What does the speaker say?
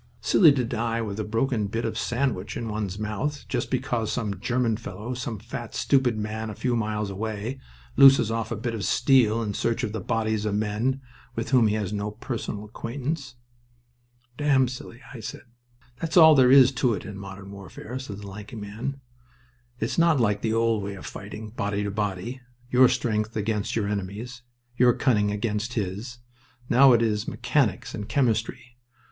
"Silly to die with a broken bit of sandwich in one's mouth, just because some German fellow, some fat, stupid man a few miles away, looses off a bit of steel in search of the bodies of men with whom he has no personal acquaintance." "Damn silly," I said. "That's all there is to it in modern warfare," said the lanky man. "It's not like the old way of fighting, body to body. Your strength against your enemy's, your cunning against his. Now it is mechanics and chemistry.